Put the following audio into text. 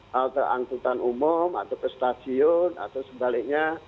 halte angkutan umum atau ke stasiun atau sebaliknya